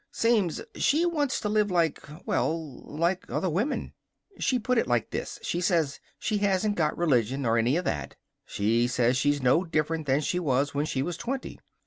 Seems she wants to live like well, like other women. She put it like this: she says she hasn't got religion, or any of that. She says she's no different than she was when she was twenty.